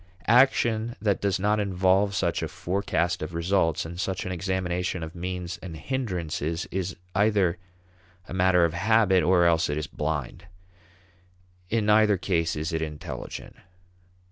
Action that does not involve such a forecast of results and such an examination of means and hindrances is either a matter of habit or else it is blind. In neither case is it intelligent.